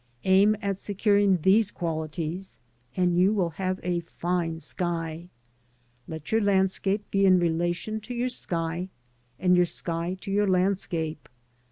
Aim at securing these qualities, and you will have a fine sky. Let your landscape be in relation to your sky, and your sky to your landscape.